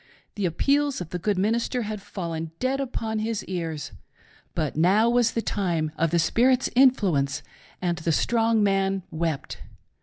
The appeals of the good minister had fallen dead upon his ears. But now was the time of the Spirit's influence, and the strong man wept.